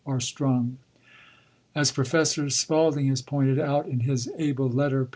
are strung. As Professor Spalding has pointed out in his able "Letter," pp.